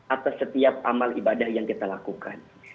atas setiap amal ibadah yang kita lakukan